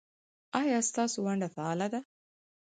ایا ستاسو ونډه فعاله ده؟